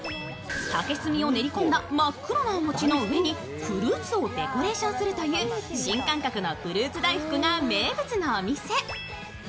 竹墨を練り込んだ真っ黒な餅の上にフルーツをデコレーションするという新感覚のフルーツ大福が名物のお店。